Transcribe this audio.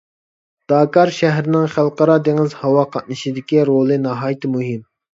داكار شەھىرىنىڭ خەلقئارا دېڭىز، ھاۋا قاتنىشىدىكى رولى ناھايىتى مۇھىم.